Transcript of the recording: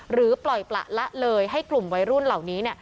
หรือปล่อยประละเลยให้กลุ่มวัยรุ่นเหล่านี้